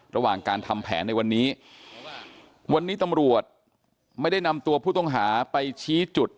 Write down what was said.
ระหว่างการทำแผนในวันนี้วันนี้ตำรวจไม่ได้นำตัวผู้ต้องหาไปชี้จุด